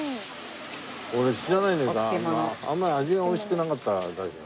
俺知らないんだけどあんまり味が美味しくなかったらあれだけど。